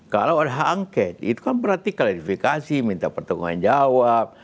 kalau ada hak angket itu kan berarti klarifikasi minta pertanggungan jawab